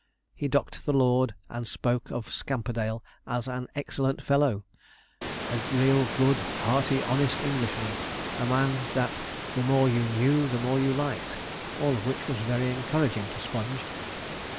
He docked the lord, and spoke of 'Scamperdale' as an excellent fellow a real, good, hearty, honest Englishman a man that 'the more you knew the more you liked'; all of which was very encouraging to Sponge.